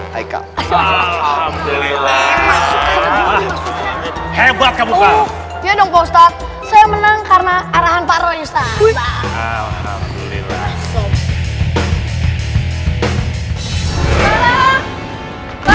hebat kamu kau ya dong postat saya menang karena arahan pak roy ustaz alhamdulillah